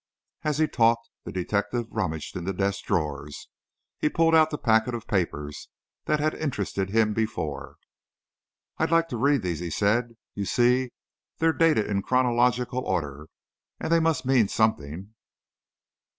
As he talked the detective rummaged in the desk drawers. He pulled out the packet of papers that had interested him before. "I'd like to read these," he said; "you see, they're dated in chronological order, and they must mean something."